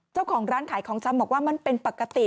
เจ้าของร้านขายของชำบอกว่ามันเป็นปกติ